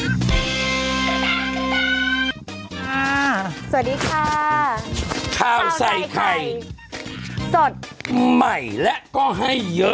สวัสดีค่ะข้าวใส่ไข่สดใหม่และก็ให้เยอะ